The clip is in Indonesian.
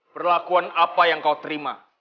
perlakuan apa yang kau terima